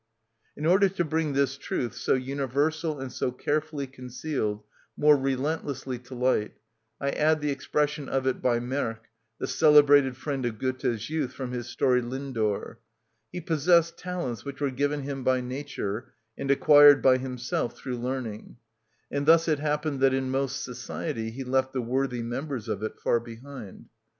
In order to bring this truth, so universal and so carefully concealed, more relentlessly to light, I add the expression of it by Merck, the celebrated friend of Goethe's youth, from his story "Lindor:" "He possessed talents which were given him by nature and acquired by himself through learning; and thus it happened that in most society he left the worthy members of it far behind."